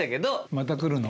また来るの？